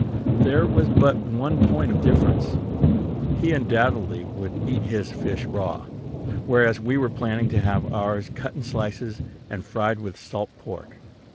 There was but one point of difference. He, undoubtedly, would eat his fish raw; whereas we were planning to have ours cut in slices, and fried with salt pork.